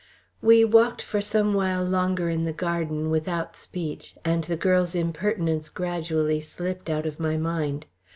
We walked for some while longer in the garden, without speech, and the girl's impertinence gradually slipped out of my mind.